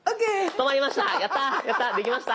止まりました。